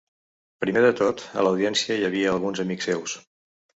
Primer de tot, a l'audiència hi havia alguns amics seus.